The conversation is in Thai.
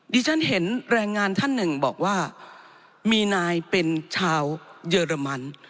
ฉันเห็นแรงงานท่านหนึ่งบอกว่ามีนายเป็นชาวเยอรมัน